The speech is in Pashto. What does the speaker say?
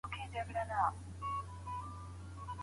د ژوند لاره یوازي لایقو ته نه سي ښودل کېدلای.